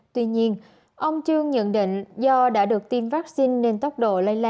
tuy nhiên ông trương nhận định do đã được tiêm vaccine nên tốc độ lây lan